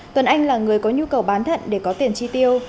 tuấn anh là người có nhu cầu bán thận để có tiền chi tiêu